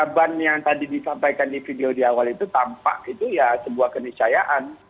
korban yang tadi disampaikan di video di awal itu tampak itu ya sebuah kenisayaan